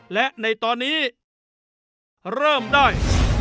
และในตอนนี้เริ่มได้